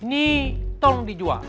ini tolong dijual